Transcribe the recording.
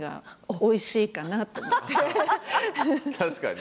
確かに。